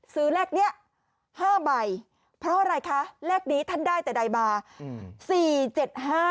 ซื้อแรกเนี่ย๕ใบเพราะอะไรคะแรกนี้ท่านได้แต่ได้บาร์